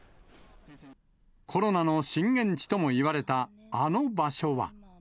コロナの震源地ともいわれたあの場所は。